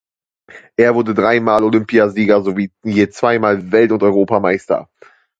Er wurde dreimal Olympiasieger sowie je zweimal Welt- und Europameister.